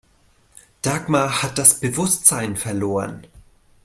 Dagmar hat das Bewusstsein verloren.